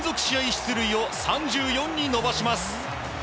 出塁を３４に伸ばします。